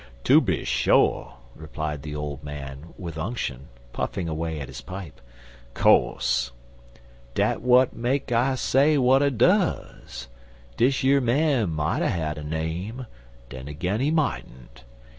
"Tooby sho," replied the old man, with unction, puffing away at his pipe. "Co'se. Dat w'at make I say w'at I duz. Dish yer man mout a had a name, en den ag'in he moutn't.